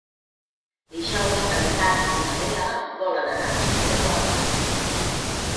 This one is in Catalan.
Dijous en Drac i na Lea volen anar a Castelló de la Plana.